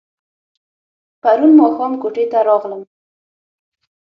پرون ماښام کوټې ته راغلم.